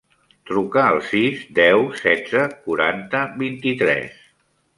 Truca al sis, deu, setze, quaranta, vint-i-tres.